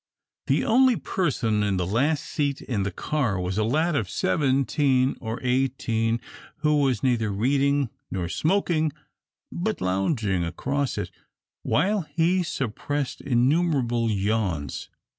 The only person in the last seat in the car was a lad of seventeen or eighteen who was neither reading nor smoking, but lounging across it, while he suppressed innumerable yawns.